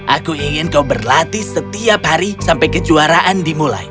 aku ingin kau berlatih setiap hari sampai kejuaraan dimulai